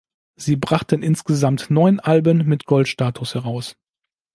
Sie brachten insgesamt neun Alben mit Gold-Status heraus.